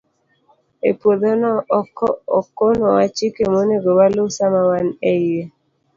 E puodhono, okonowa chike monego waluw sama wan e iye.